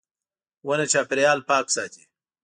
• ونه چاپېریال پاک ساتي.